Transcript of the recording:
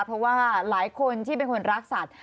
เพราะว่าหลายคนที่เป็นคนรักสัตว์